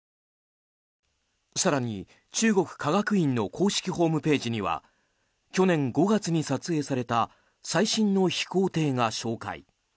更に、中国科学院の公式ホームページには去年５月に撮影された最新の飛行艇が紹介。